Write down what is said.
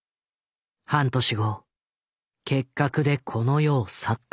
半年後結核でこの世を去った。